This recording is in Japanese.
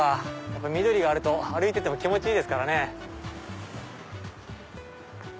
やっぱ緑があると歩いてても気持ちいいですからね。